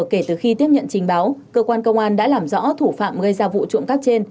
kể từ khi tiếp nhận trình báo cơ quan công an đã làm rõ thủ phạm gây ra vụ trộm cắp trên